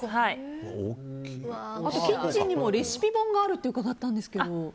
キッチンにもレシピ本があると伺ったんですけど。